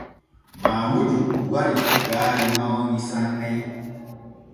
Maamudu wari gaari mawni sanne.